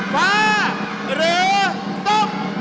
ฟ้าหรือตก